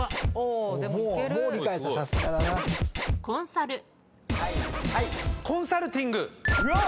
コンサルティング。